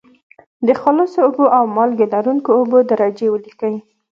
د خالصو اوبو او مالګې لرونکي اوبو درجې ولیکئ.